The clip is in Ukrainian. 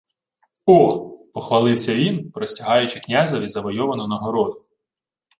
— О! — похвалився він, простягаючи князеві звойовану нагороду.